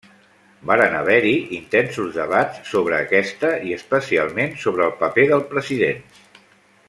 Varen haver-hi intensos debats sobre aquesta, i especialment sobre el paper del president.